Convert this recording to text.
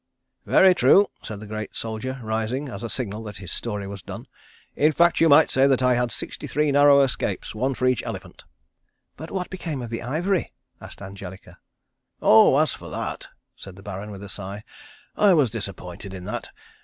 "Very true," said the great soldier rising, as a signal that his story was done. "In fact you might say that I had sixty three narrow escapes, one for each elephant." "But what became of the ivory?" asked Angelica. "Oh, as for that!" said the Baron, with a sigh, "I was disappointed in that.